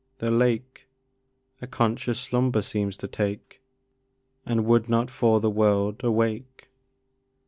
the lake A conscious slumber seems to take, And would not, for the world, awake.